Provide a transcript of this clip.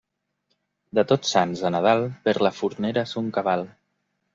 De Tots Sants a Nadal perd la fornera son cabal.